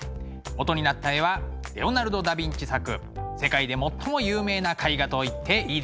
元になった絵はレオナルド・ダ・ヴィンチ作世界で最も有名な絵画と言っていいでしょう「モナ・リザ」です。